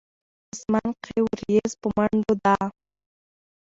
اسمان کښې وريځ پۀ منډو ده